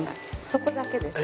そこだけです。